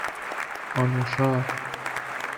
آنوشا